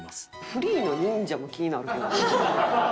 フリーの忍者も気になるけど。